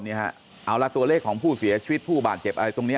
เอาละตัวเลขของผู้เสียชีวิตผู้บาดเจ็บอะไรตรงนี้